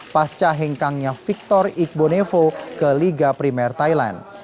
pasca hengkangnya victor igbonevo ke liga primer thailand